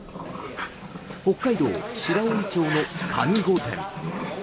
北海道白老町のかに御殿。